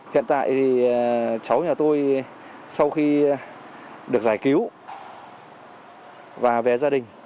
hiện tại thì cháu nhà tôi sau khi được giải cứu và về gia đình